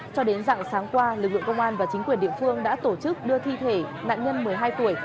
cho đến dặng sáng qua lực lượng công an và chính quyền địa phương đã tổ chức đưa thi thể nạn nhân một mươi hai tuổi